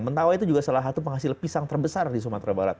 mentawai itu juga salah satu penghasil pisang terbesar di sumatera barat